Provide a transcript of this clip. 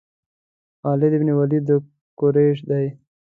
خالد بن ولید د قریش دی.